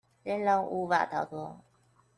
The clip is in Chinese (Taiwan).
令人無法逃脫